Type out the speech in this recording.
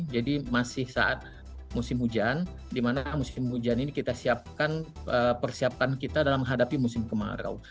jadi masih saat musim hujan dimana musim hujan ini kita persiapkan kita dalam menghadapi musim kemarau